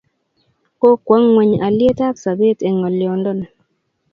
kokwa ngweny alietab sopet eng' ngoliondoni